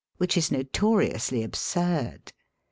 Which is notoriously absurd.